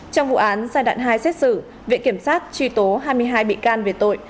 trong vụ án giai đoạn hai xét xử viện kiểm sát truy tố hai mươi hai bị can về tội